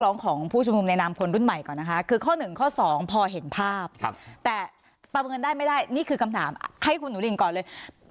ข้อ๑ข้อ๒เพราะเห็นภาพแต่ประเภทได้ไม่ได้นี่คือกำถามให้คุณหนุรินก่อนเลย